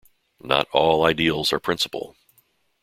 Not all ideals are principal.